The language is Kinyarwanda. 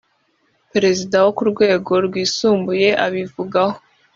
perezida wo ku rwego rwisumbuye abivugaho